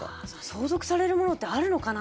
相続されるものってあるのかな？